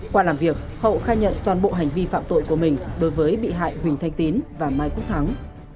qua làm việc hậu khai nhận toàn bộ hành vi phạm tội của mình đối với bị hại huỳnh thanh tín và mai quốc thắng